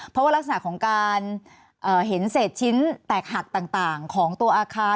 เพราะว่ารักษณะของการเห็นเศษชิ้นแตกหักต่างของตัวอาคาร